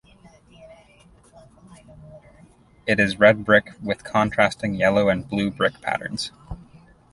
It is red brick with contrasting yellow and blue brick patterns.